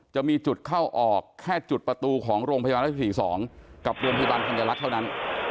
จะมีจุดเข้าออกแค่จุดประตูของโรงพยาบาลรัฐ๔๒กับโรงพยาบาลธัญลักษณ์เท่านั้น